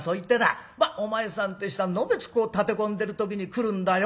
『まっお前さんって人はのべつこう立て込んでる時に来るんだよ。